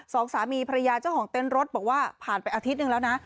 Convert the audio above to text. สองสามีภรรยาเจ้าของเต้นรถบอกว่าผ่านไปอาทิตย์หนึ่งแล้วนะ